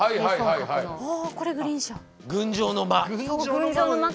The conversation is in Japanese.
群青の間。